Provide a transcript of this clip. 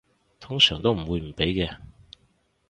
通常都唔會唔俾嘅